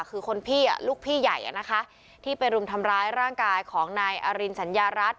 คือคนพี่ลูกพี่ใหญ่ที่ไปรุมทำร้ายร่างกายของนายอรินสัญญารัฐ